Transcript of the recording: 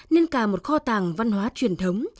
nên cả một kho tàng văn hóa truyền thống